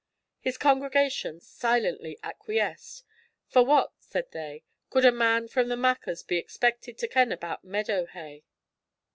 His congregation silently acquiesced, 'for what,' said they, 'could a man from the Machars be expected to ken about meadow hay?'